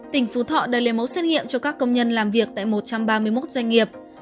tỉnh phú thọ đã lấy mẫu xét nghiệm cho các công nhân làm việc tại một trăm ba mươi một doanh nghiệp